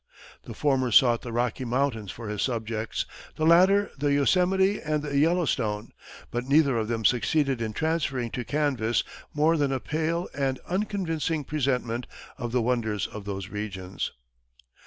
The former sought the Rocky Mountains for his subjects; the latter, the Yosemite and the Yellowstone; but neither of them succeeded in transferring to canvas more than a pale and unconvincing presentment of the wonders of those regions.